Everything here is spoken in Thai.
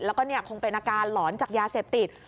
แล้วก็คงเป็นอาการหลอนจากยาเสพติด